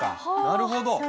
なるほど。